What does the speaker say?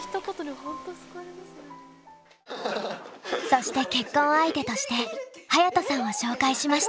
そして結婚相手として隼人さんを紹介しました。